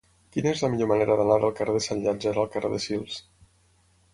Quina és la millor manera d'anar del carrer de Sant Llàtzer al carrer de Sils?